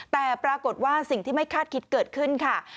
แต่ปรากฏว่าสิ่งที่ไม่คาดคิดเกิดขึ้นค่ะ